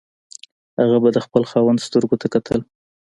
هغه به د خپل خاوند سترګو ته کتل.